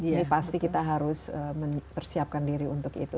ini pasti kita harus mempersiapkan diri untuk itu